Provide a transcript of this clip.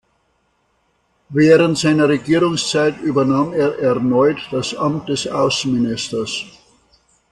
Während seiner Regierungszeit übernahm er erneut das Amt des Außenministers.